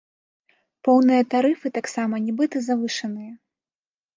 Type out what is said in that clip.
Поўныя тарыфы таксама нібыта завышаныя.